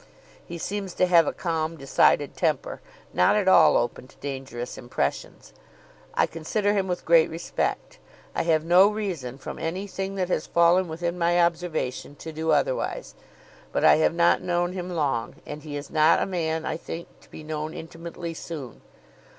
He seems to have a calm decided temper, not at all open to dangerous impressions. I consider him with great respect. I have no reason, from any thing that has fallen within my observation, to do otherwise. But I have not known him long; and he is not a man, I think, to be known intimately soon.